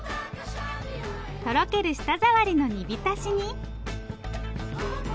とろける舌触りの煮びたしに。